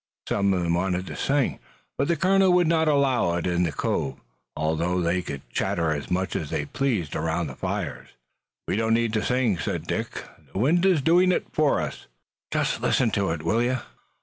Some of them wanted to sing, but the colonel would not allow it in the cove, although they could chatter as much as they pleased around the fires. "We don't need to sing," said Dick. "The wind is doing it for us. Just listen to it, will you?"